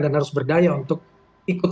dan harus berdaya untuk ikut